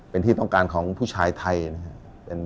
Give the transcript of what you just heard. เป็นที่ต้องการของผู้ชายไทยนะครับ